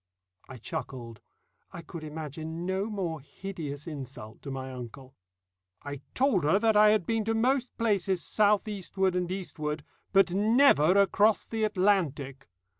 I chuckled. I could imagine no more hideous insult to my uncle. "I told her that I had been to most places south eastward and eastward, but never across the Atlantic.